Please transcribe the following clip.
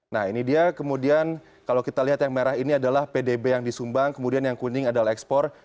nah ini dia kemudian kalau kita lihat yang merah ini adalah pdb yang disumbang kemudian yang kuning adalah ekspor